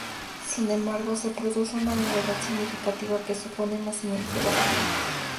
Sin embargo, se produce una novedad significativa que supone el nacimiento de las monedas.